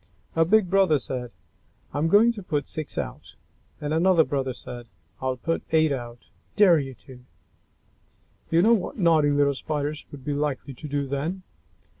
A big brother said, "I'm going to put six out!" And then another brother said "I'll put eight out! Dare you to!" You know what naughty little Spiders would be likely to do then.